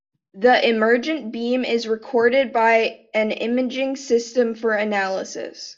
The emergent beam is recorded by an imaging system for analysis.